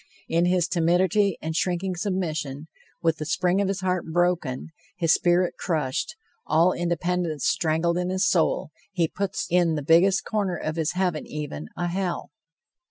In his timidity and shrinking submission, with the spring of his heart broken, his spirit crushed, all independence strangled in his soul, he puts in the biggest corner of his heaven even, a hell!